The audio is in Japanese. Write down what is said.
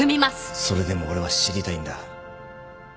それでも俺は知りたいんだ。